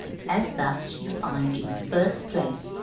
] As thus. You find, in the first place (§ V.)